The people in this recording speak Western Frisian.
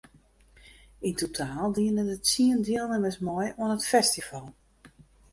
Yn totaal diene der tsien dielnimmers mei oan it festival.